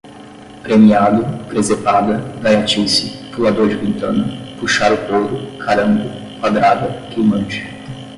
premiado, presepada, gaiatice, pulador de ventana, puxar o couro, carango, quadrada, queimante